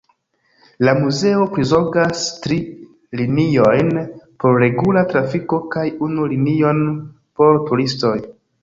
La muzeo prizorgas tri liniojn por regula trafiko kaj unu linion por turistoj.